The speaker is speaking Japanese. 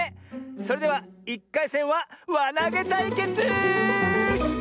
それでは１かいせんはわなげたいけつ！